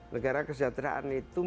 negara kesejahteraan itu